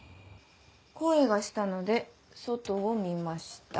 「声がしたので外を見ました」。